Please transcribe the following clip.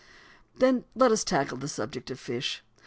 Then let us tackle the subject of fish.